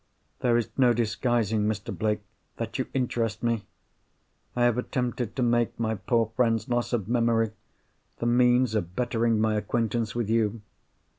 There is no disguising, Mr. Blake, that you interest me. I have attempted to make my poor friend's loss of memory the means of bettering my acquaintance with you.